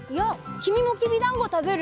きみもきびだんごたべる？